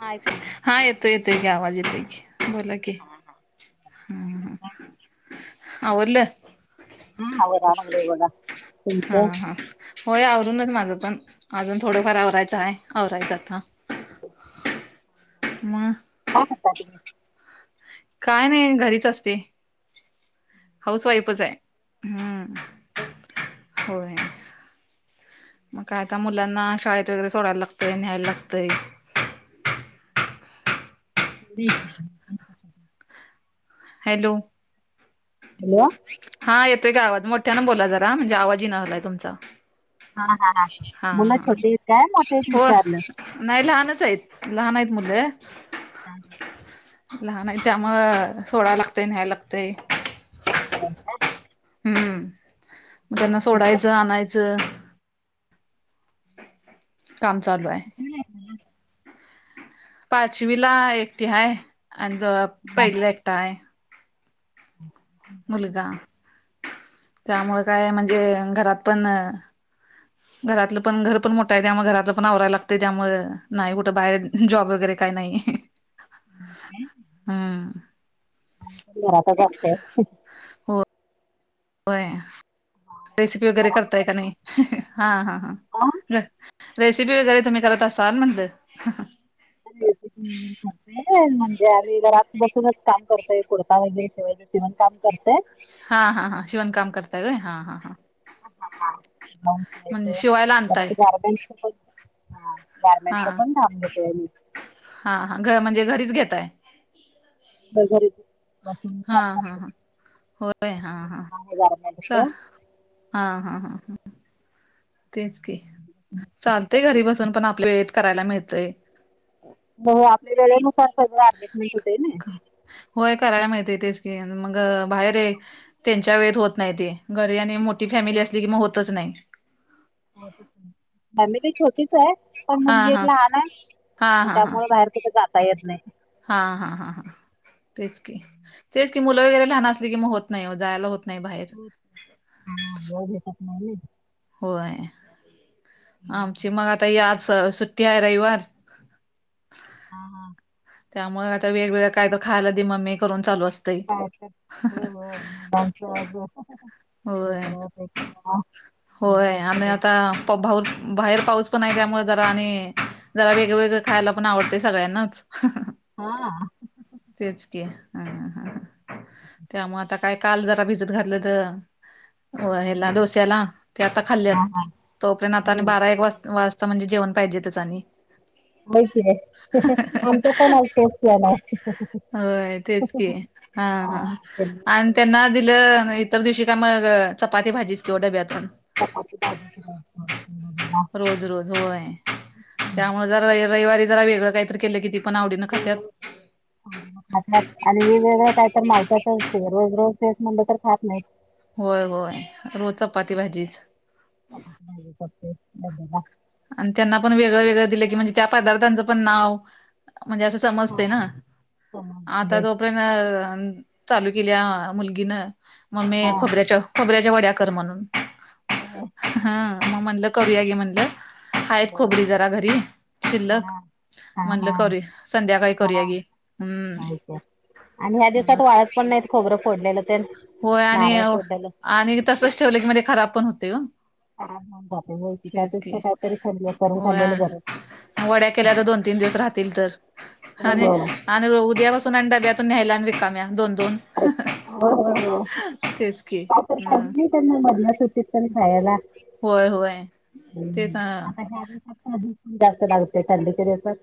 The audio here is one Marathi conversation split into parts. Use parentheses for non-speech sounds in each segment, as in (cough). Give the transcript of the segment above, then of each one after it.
ह हा येतो येतोय ग आवाज येतोय की, बोला की ह ह आवरलं. हम् आवरा लागलोय बघा, हा तुमचं हा होय आवरूनच माझं पण अजून थोडंफार आवरायचं आहे आवरायचं आता म हा काय नाही घरीच असते, हाऊस वाईफच आहे हम्म ह हो मग कायता मुलांना शाळेत वगैरे सोडायला लागतय न्यायला लागतंय. ह हॅलो हलवा हा येतोय का आवाज मोठ्या ना बोला जरा म्हणजे आवाजी येईना झालाय तुमचा हा हा हा मुलं हा ह छोटी आहेत काय मोठे आहेत हो विचारलं नाही लहानच आहेत लहान आहेत मुलं लहान आहे त्यामुळ सोडायला लागतं न्यायला लागत. ह हम्मम मग त्यांना सोडायचं आणायचं. काम चालू आहे. हम् पाचवीला एकटी आहेाय अ द पहिलीला एकटा आहे. तुमच्या? मुलगा त्यामुळ काय म्हणजे घरात पण ह घरातलं पण घर पण मोठं आहे त्यामुळे घरातलं पण आवरायला लागत त्यामुळे नाही कुठं बाहेर जॉब वगैरे काही नाही. कितवीला आहेत? हम्म घरातच असत. हो होय रेसिपी वगैरे घरातच करताय का असते नाही हा हा ह रेसिपी वगैरे तुम्ही करत असाल म्हटलं. ह. म्हणजे आम्ही घरात बसूनच काम करतय कुर्ता वगैरे शेवय शेवण काम करतेय. हा हा हां शिवण काम करतायय हा हा हां. चो शिवायला तर आणताय तुझ अरब. हा हा गारमेंटचा पण ब घेते म हा घ म्हणजे घरीच घेताय. बसून हा काम हा करतेस हा होय हा हा चा गट हा हा हा हां. तेच की चालतय घरी बसून पण आपल्या वेळेत करायला मिळतय. हो आपल्या वेळेनुसार सगळं ऍडजस्टमेंट होते. होय करायला मिळते इ तेेच की मग बाहेर आहे. त्यांच्या वेळेत होत नाही ते घरी आणि मोठी फॅमिली असली की मग होतच नाही. मॅमली छोटीच आहे. पण हा मुलगी एक हा लहान आहे हा मग हा हा त्यामुळे बाहेर कुठे जाता येत नाही. हा हा हा हा. तेच की तेच की मुलं वगैरे लहान असले की मग होत नाही जायला होत नाही बाहेर. होत हा बलेप म होय ना आमची मग आता याज सुट्टी आहे रविवार हा हा. त्यामुळे आता वेगवेगळ्या काही तर खायला दि म्मी करून चालू असतं. काय तर हो होयजू होय. ते तरवा तेप होय आणि आता प भाऊ बाहेर पाऊस पण आहे त्यामुळे जरा आणि जरा वेगळवेेगळं खायला पण आवडते सगळ्यांनाच हा. तेच क हा हा हा ह. त्यामु आता काय काल जरा भिजत घातलं तर ह्याला डोस्याला ते आता हा हा खाल्लीत तोपर्यंत आता आणि हम्म बारा एक वाज वाज म्हणजे जेवण पाहिजे त्याच आणि ऐक आहे आमचा पण आज पोचल्या नाही. होय तेच की हा. आणि त्यांना दिलं इतर दिवशी काय मग चपाती भाजीच किंवा डब्यातून चपा भाजी क रोज रोज होय त्यामुळे जर रविवारी जरा वेगळं काहीत केलं किती? पण आवडीनं हम्म. खात्यात. आणि वेगवेगळं काय तर मालताच असते रोज रोज तेच म्हणलं तर खात नाहीत. होय होय रोज चपाती भाजीच चपाती भाजी करते ला. आणि त्यांना पण वेगळं वेगळं दिलं की म्हणजे त्या पदार्थांचं पण नाव म्हणजे असं समजते ना आता समोसे तो ख्यान चालू केल्या मुलगीनं मम्मी हा खोबऱ्याच्या खोबऱ्याच्या वड्याकर म्हणून हो. हा मग म्हणलं करूया गे म्हणलं. आहेत बरं. खोबरी जरा घरी हा शिल्लक हा म्हटलं हा करूया संध्याकाळी हा करूया गी हम्म. होय तर आणि ह्या दिवसात वाढत पण नाहीत खोरं फोडलेलं. तेन होय आणि नारळ फोडलेलं आणि तसच ठेवले की मध्ये खराब पण होते ह ज होती तेच त्यापेक्षा की काहीतरी खाल् करून होय खाल्लेलं बरं वड्या केल्या तर दोन तीन दिवस राहतील तर हो आणि ब आणि उद्यापासून आणि डब्यातून न्यायला आणि रिकाम्या दोन दोन हो तेच की तर पाहिजे हम्म नाही त्यांना मधला सु होतीत पण खायला होय होय ते तर खूप जास्त लागते थंडीच्या दिवसण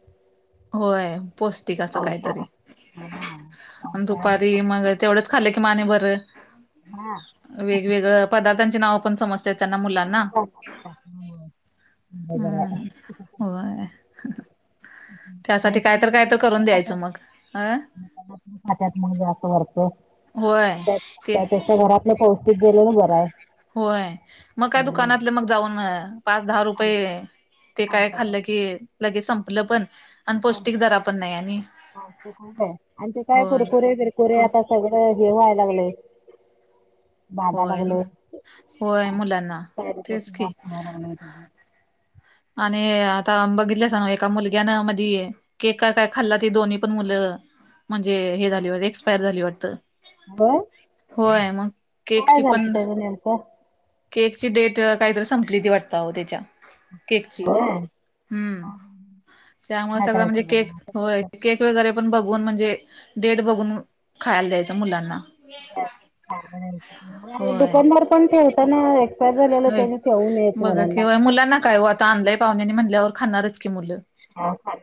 होय पौष्टिक असं काहीतरी हा पावसाळा दुपारी दिवसात मग तेवढंच खाल्लं की माने बरं हा वेगवेगळं पदार्थांची नाव पण समजतय त्यांना मुलांना ह हम्म हज होय नाही त्यासाठी तर काय काय म्हणजे वर करून फट्यात द्यायचं मग अ फट्यात मग जात वरत होय ते पौष्टिक ग दिल्या ना बरं आहे. होय मग काय हम्म. दुकानातले मग जाऊन पाच दहा आणि रुपये ते आणि काय त्याच्यात खाल्लं के लगे संपलं पण आणि पौष्टिक जरा पण नाही आणि ते खूप आहे आणि ते काय होय कुरकुर वगैरे कोरे कुर आता सगळं हे व्हाय लागलंय. बाधा होय लागले होय मुलांना का तेच जा की मार नाही. आणि आता बघितल्या स ना एका मुलग्यान मध के का काय खाल्ला ती दोन्ही पण मुलं म्हणजे हे झाली वाट एक्सपायर झाली वाटतं. होय होय मग केकची काय झालं पण त्याचं नेमकं केक ची डेट काहीतरी संपली ती वाटत त्याच्या केकची होय हा, हम्म हा. त्यामुळे काय सगळं म्हणजे करायचं केक बघा आता होय कसं के वगैरे पण बघून म्हणजे डेट बघून खायला द्यायचं मुलांना होय दुकानदार पण ठेवत ना बघा किंय मुलांना काय हो आता आणलाय पाहुण्याने म्हणल्यावर खाणारच की मुलं हा ख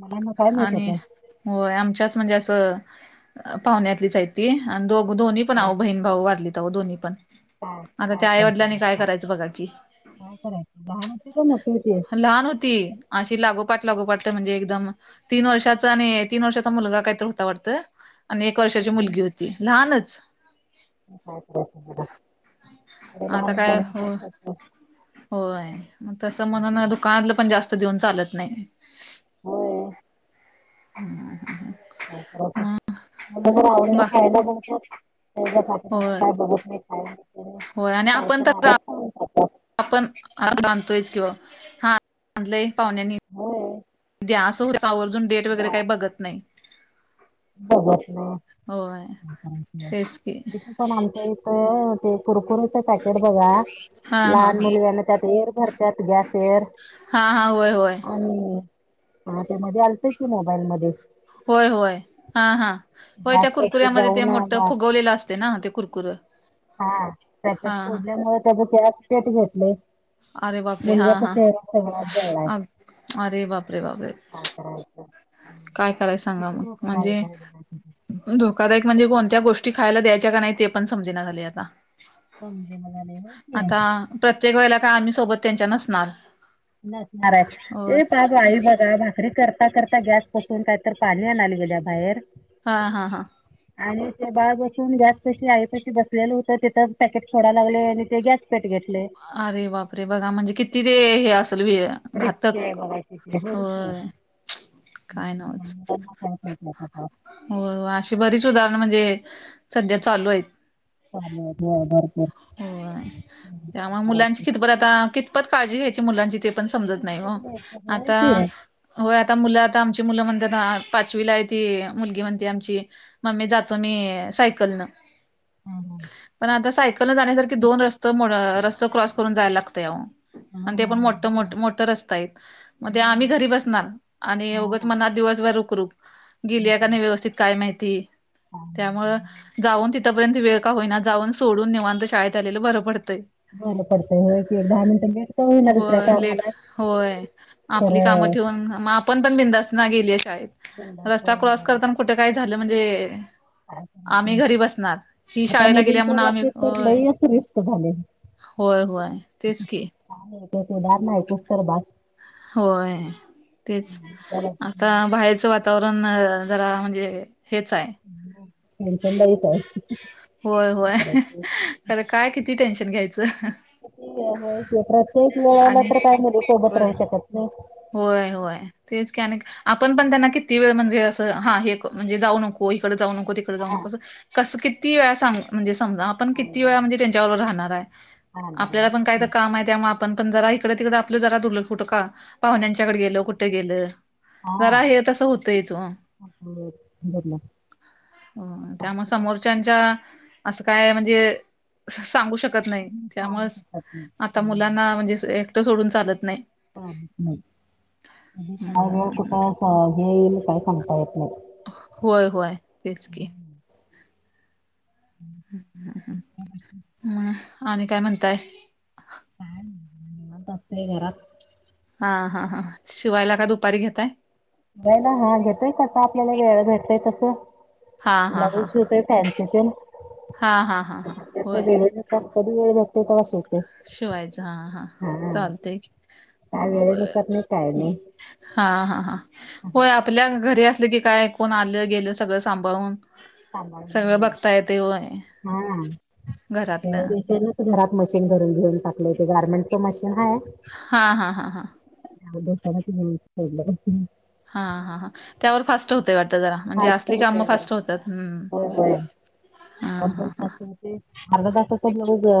मलाना काय मिळत आणि ते होय आमच्याच म्हणजे असं पाहुण्यातलीच आहे ती आणि दो दोन्ही पण आऊ बहीण भाऊ वाढली तरव दो्ही पण हा. करायच बघा की लहान होती का मोठी होती लहान होती. अशी लागोपाट लागोपाट म्हणजे एकदम तीन वर्षाचा आणि तीन वर्षाचा मुलगा काहीत होता वाटत. आणि एक वर्षाची मुलगी होती लहानच. काय करायचं मला अरे आता लहान मुलांना काय हो करायचं. होय मग तसं म्हण ना दुकानातलं पण जास्त देऊन चालत नाही. होय हम् ह ह. म आवडीला वा खायला बघतात त्या पाठी होय काय बघत नाही. होय आणि कायच आपण ना. तर आपण हा बांधतोयच किंवा हा बांधलंय पाहुण्यानी होय. द्या असं होवर्जून डेट वगैरे काही बघत नाही. ब होय ठीक तेच की आहे. पण आमच्या इथ ते कुरकुर पॅकेट बघा हा हा लहान हा मुलगीना त्यात एर भरतात गॅस एर हा हा होय होय. आणि हा त्यामध्ये आलतंय की मोबाईलमध्येध्ये होय होय हा हा होय गॅस त्या पैसे कुरकुऱ्यामध्ये ते जाऊन मोठं बा फुगवलेलं असत. ना ते कुरकु हा पॅकेट फोजल्यामुळे त्याच केरा क पेट घेतले. अरे बापरे हा मुणगता हा चचेहराला आहे. अरे बापरे बापरे अ कााछा काय कराय सांगा मग म्हणजे आहे बघा किती धोकादायक म्हणजे कोणत्या गोष्टी खायला द्यायच्या का नाही ते पण समजण्यात आले आता कमज म झाले हो के आता प्रत्येक वेळेला काय आम्ही सोबत त्यांच्या नसणार. नसणार आहे होय. ते पा आई बघा भाकरी करता करता. गॅस पासून काय तर पाणी आणले गेल्या बाहेर. हा हा हा. आणि ते बाळ बसून गॅस कशी आईपाशी बसलेलं होतं तेिथं पॅकेट थोडा लागले आणि ते गॅस पीट घेतले. अरे बापरे बघा म्हणजे किती ते हे असेल र घातक बघ होय काय (unintelligible) हो अशी बरीच उदाहरणं म्हणजे सध्या चालू आहेत. ह हो ह हो त्यामुळे मुलांची करायचं. कितपत आता कितपत काळजी घ्यायची मुलांची ते पण समजत किती नाही पडले आहेत का? होय आता की होय आता मुलं आता आमची मुलं म्हणतात ना पाचवीला आहे त मुलगी म्हणते आमची मम्मी जातो मी सायकलनं हां हां पण आता सायकल न जाण्यासारखी दोन रस्त रस्त क्रॉस करून जायला लागत अओ आणि ते पण हां हां मोठ मो होय. मोठं रस्ते म्हणे हं. आम्ही घरी बसणार आणि हां उगाच हां. मनात दिवसभर रुख रुख. गेली का नाही व्यवस्थित काय माहिती काय त्यामुळं नाही. जाऊन तिथपर्यंत वेळ का होईना जाऊन सोडून निवांत शाळेत आलेलं बरं पडतंय. बरं पडतय होय की एक दहा मिनिटं मिेळत होईना दुसऱ्या होय लेट कामाला होय. आपली कामं खरं ठेवून पण पण बिंदास्तना गेलीय शाळेत रस्ता क्रॉस दंडाचं करताना कुठे काय झालं म्हणजे काय आम्ही करायचं घरी बसणार ही आता शाळेला गेल्या मुलींच्या म्हणून आम्ही बाबतीत तर होय लयच रिस्क झाले होय होय तेच की (unintelligible) होय तेच त्या बाबतीत आता बाहेरचं वातावरण वातावरण जरा म्हणजे हेच आहे. त्यांश नाहीईच (unintelligible) होय होय खरं काय किती टेन्शन घ्यायचं. ठी आहे प्रत्येक वेळाला आणि तर काय सोबत होय राहू शकत नाही. होय होय. तेच क आपण पण त्यांना किती वेळ म्हणजे असं हा हे म्हणजे जाऊ नको इकड जाऊ नको त कस किती वे म्हणजे समजा आपण आणि किती मग वेळ म्हणजे त्यांच्यावर राहणार आहे. राहणार आपल्याला पण काय आहे तर ना काम त्या आपण पण जरा इकड तिकडडे आपलं जरा दुर्लक्ष का पाहुण्यांच्याकडे गेलो कुठे गेलं? जरा हा हे तस होतयच ओ. बरोबर हो त्यामुळे समोरच्याच्या असं काय म्हणजे सांगू शकत नाही सांगू त्यामुळेच शकत नाही. आता हम्म. मुलांना म्हणजे एकटं सोडून चालत नाही. त नाही काय वेळ कुठ हम्म हे येईल काय सांगता येत नाही. होय होय तेच की. म आणि काय म्हणताय? घरात हा हा हां शिवायला काय दुपारी घेताय? हा घेतय कस आपल्याला वेळ भेटय तसं. हा हा ब्लाऊज हा हा शवतोय फॅन्सी तेन हा हा हा हा होय कधी वेळ भेटेल तेंव्हा शिवतोय. शिवायच हा हा चालतय काय बर. वेळेनुसार नाही काय नाही हा हा हा होय आपल्या घरी असलं की काय कोण आलं गेलं सगळं सांभाळून (unintelligible) सगळं बघता येतंय होय घरातलं घरात मशीन घेऊन टाकलंय ते गार्मेंटचं मशीन आहे. हा हा हा हा. सरा त (unintelligible) हा हा हा. त्यावर फास्ट होतय वाटतं जरा म्हणजे फास्ट असली कामं होतय जरा फास्ट होतात हम् आम पण खातते अर्धा तासाच ब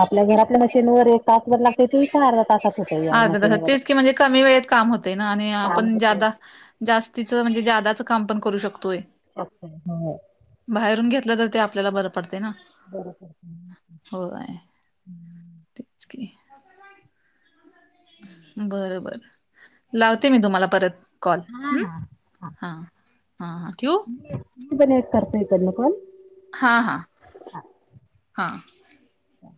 आपल्या घरातल्या मशीनवर एक तासभर लागते ते का अर्धा तासात होतय या हा मशीनवर तेच की म्हणजे कमी वेळेत काम होत ना आणि काम आपण होतय जास्ती म्हणजे जदाच काम पण करू शकतोय. अछा हो बाहेरून घेतलं तर ते आपल्याला बरं पडतेय ना? बरोबर त्याच की. हम्म बरबर लावते मी तुम्हाला परत कॉल हा हम्. हा हा हा हा ठेवू? म पण एक करतोय कॉल. हा हा हा अच्छा